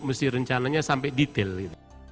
mesti rencananya sampai detail